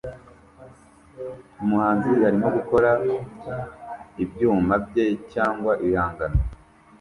Umuhanzi arimo gukora ibyuma bye cyangwa ibihangano